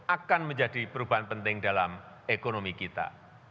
akan menjadi perubahan penting dalam ekonomi kita